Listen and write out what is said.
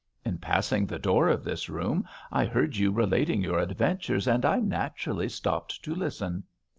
In passing the door of this room I heard you relating your adventures, and I naturally stopped to listen.'